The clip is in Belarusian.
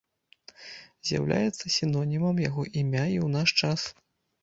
З'яўляецца сінонімам яго імя і ў наш час.